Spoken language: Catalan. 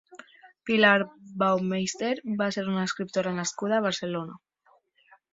Pilar Baumeister va ser una escriptora nascuda a Barcelona.